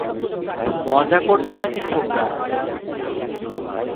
মজা করছো নাকি, ছোকরা?